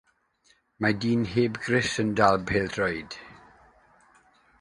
Mae dyn heb grys yn dal pêl-droed.